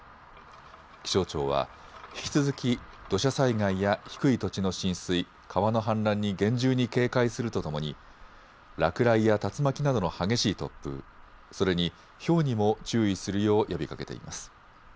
気象庁は引き続き土砂災害や低い土地の浸水、川の氾濫に厳重に警戒するとともに落雷や竜巻などの激しい突風、それにひょうにも注意するよう呼びかけています。